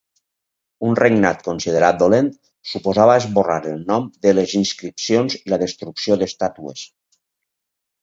Un regnat considerat dolent suposava esborrar el nom de les inscripcions i la destrucció d'estàtues.